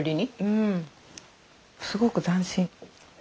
うんすごく斬新。